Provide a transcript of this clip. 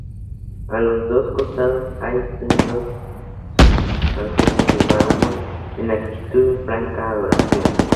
A los dos costados, hay sendos ángeles de mármol en actitud de franca adoración.